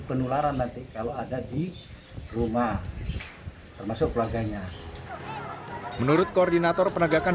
penularan nanti kalau ada di rumah termasuk keluarganya menurut koordinator penegakan